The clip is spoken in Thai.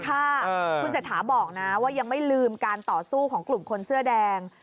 คุณเศรษฐาบอกนะว่ายังไม่ลืมการต่อสู้ของกลุ่มคนเสื้อแดง